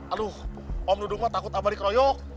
aduh om dudung mah takut abah dikeroyok